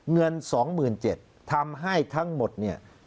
เงินสองหมื่นเจ็ดทำให้ทั้งหมดเนี่ย